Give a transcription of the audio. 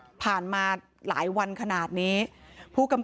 เหตุการณ์เกิดขึ้นแถวคลองแปดลำลูกกา